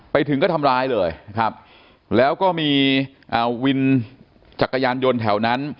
ไปถึงก็ทำร้ายเลยนะครับแล้วก็มีวินจักรยานยนต์แถวนั้น